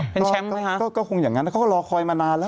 เป็นเช็มป์ไหมฮะก็คงอย่างงั้นแล้วเขารอคอยมานานแล้ว